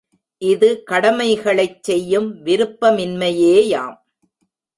இது கடமைகளைச் செய்யும் விருப்ப மின்மையேயாம்.